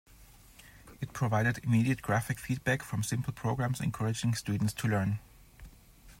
It provided immediate graphic feedback from simple programs encouraging students to learn.